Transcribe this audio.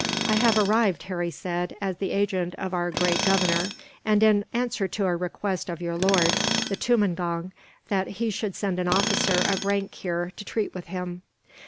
"I have arrived," Harry said, "as the agent of our great governor; and in answer to a request of your lord, the tumangong, that he should send an officer of rank here, to treat with him."